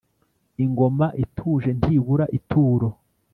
Ingoma ituje ntibura ituro